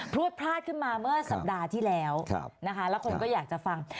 วดพลาดขึ้นมาเมื่อสัปดาห์ที่แล้วนะคะแล้วคนก็อยากจะฟัง